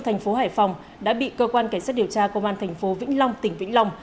thành phố hải phòng đã bị cơ quan cảnh sát điều tra công an thành phố vĩnh long tỉnh vĩnh long